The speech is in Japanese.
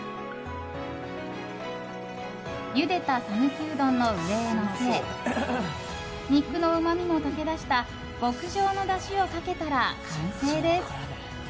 ゆでた讃岐うどんの上へのせ肉のうまみも溶け出した極上のだしをかけたら完成です。